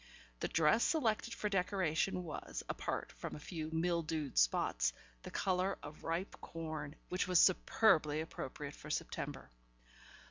The dress selected for decoration was, apart from a few mildew spots, the colour of ripe corn, which was superbly appropriate for September.